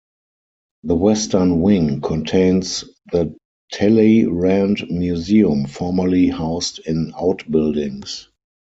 The western wing contains the Talleyrand Museum, formerly housed in outbuildings.